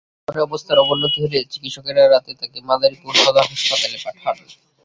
পরে অবস্থার অবনতি হলে চিকিৎসকেরা রাতে তাকে মাদারীপুর সদর হাসপাতালে পাঠান।